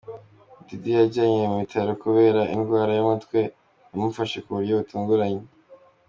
Diddy yajyanwe mu bitaro kubera indwara y’umutwe yamufashe ku buryo butunguranye.